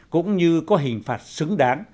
cũng như có hình phạt xứng đáng